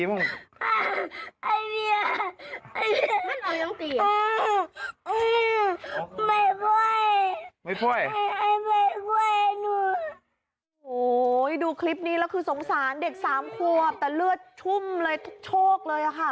โอ้โหดูคลิปนี้แล้วคือสงสารเด็ก๓ควบแต่เลือดชุ่มเลยทุกโชคเลยค่ะ